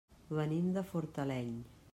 Venim de Fortaleny.